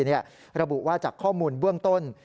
หรือก็บูว่าจากข้อมูลเบื้องต้น